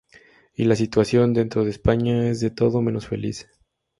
Y la situación dentro de España es de todo menos feliz.